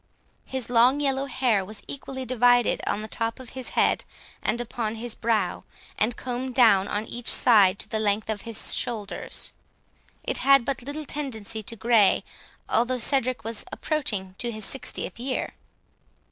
His long yellow hair was equally divided on the top of his head and upon his brow, and combed down on each side to the length of his shoulders; it had but little tendency to grey, although Cedric was approaching to his sixtieth year.